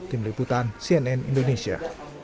tim liputan cnn indonesia